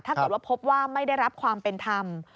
ถ้าเกิดว่าพบว่าไม่ได้รับความเป็นธรรม